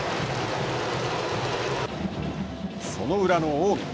その裏の近江。